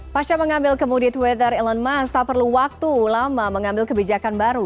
pasca mengambil kemudi twitter elon musk tak perlu waktu lama mengambil kebijakan baru